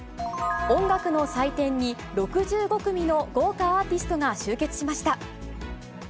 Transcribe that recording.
音楽の祭典に６５組の豪華アーティストが集結しました。